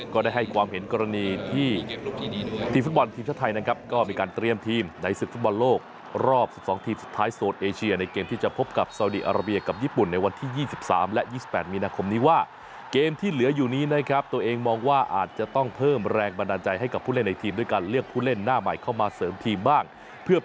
ก็ได้ให้ความเห็นกรณีที่ทีมธุรกิจธัยก็มีการเตรียมทีมในศิษย์ธุรกิจโลกรอบ๑๒ทีมสุดท้ายโซนเอเชียในเกมที่จะพบกับสาวดีอาราเบียกับญี่ปุ่นในวันที่๒๓และ๒๘มีนาคมนี้ว่าเกมที่เหลืออยู่นี้นะครับตัวเองมองว่าอาจจะต้องเพิ่มแรงบันดาลใจให้กับผู้เล่นในทีมด้วยการเรียกผู้เล่